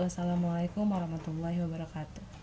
wassalamu'alaikum warahmatullahi wabarakatuh